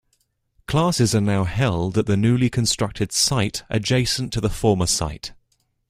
Classes are now held at the newly constructed site adjacent to the former site.